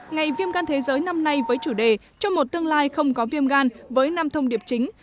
ngày viêm gan thế giới năm nay với chủ đề trong một tương lai không có viêm gan với năm thông điệp chính